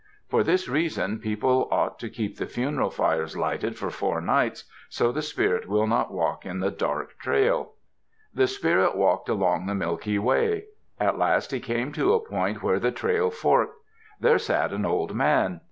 For this reason, people ought to keep the funeral fires lighted for four nights, so the spirit will not walk in the dark trail. The spirit walked along the Milky Way. At last he came to a point where the trail forked. There sat an old man.